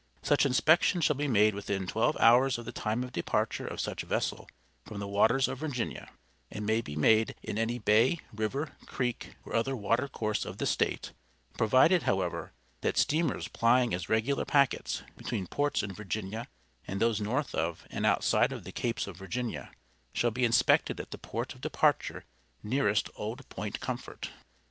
Such inspection shall be made within twelve hours of the time of departure of such vessel from the waters of Virginia, and may be made in any bay, river, creek, or other water course of the State, provided, however, that steamers plying as regular packets, between ports in Virginia and those north of, and outside of the capes of Virginia, shall be inspected at the port of departure nearest Old Point Comfort.